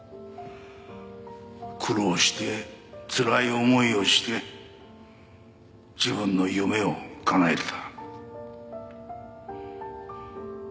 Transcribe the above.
苦労してつらい思いをして自分の夢をかなえた。